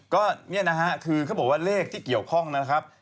ก็เนี่ยนะฮะคือเขาบอกว่าเลขที่เกี่ยวข้องนะครับ